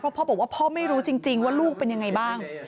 พ่อบอกว่าพ่อไม่รู้จริงว่าลูกเป็นยังไงบ้าง